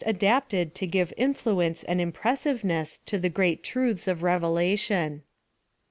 229 adapted to give influence and impressiveness to the orreat truths of Revelation.